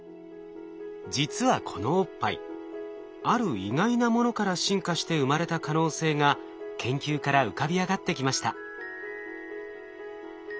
実はこのおっぱいある意外なものから進化して生まれた可能性が研究から浮かび上がってきました。